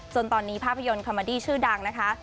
จนตอนนี้ภาพยนตร์คอมมาดี้ชื่อดังนะคะ